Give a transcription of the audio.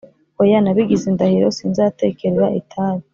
Oya, nabigize indahiro:Sinzatekerera itabi